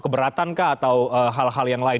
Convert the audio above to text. keberatan kah atau hal hal yang lain